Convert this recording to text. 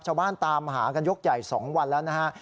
ชาวบ้านตามหากันยกใหญ่สองวันแล้วนะฮะ